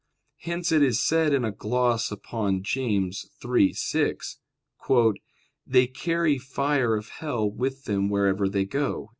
Hence it is said in a gloss upon James 3:6: "They carry fire of hell with them wherever they go."